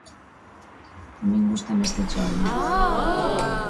A min gústame este choio.